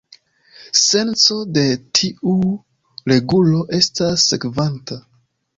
Senco de tiu regulo estas sekvanta.